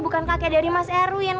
bukan kakek dari mas erwin